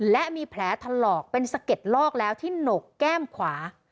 และมีแผลถลอกเป็นสะเก็ดลอกแล้วที่หนกแก้มขวา